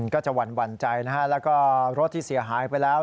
ก็จะหวั่นใจนะฮะแล้วก็รถที่เสียหายไปแล้ว